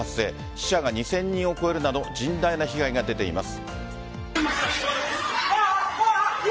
死者が２０００人を超えるなど甚大な被害が出ています。